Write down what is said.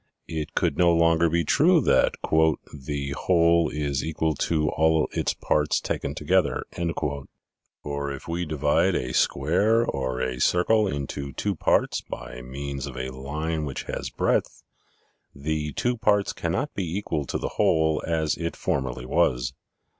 It could no longer hold true that " the whole is equal to all its parts taken together," for if we divide a square or a circle into two parts by means of a line which has breadth, the two parts cannot be equal to the whole as it formerly was.